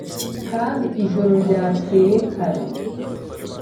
kandi ijoro ryakeye kare